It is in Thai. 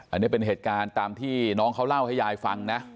อันนี้เป็นเหตุการณ์ตามที่น้องเขาเล่าให้ยายฟังนะ